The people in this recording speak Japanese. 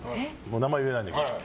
名前言えないけど。